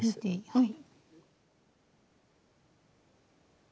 はい。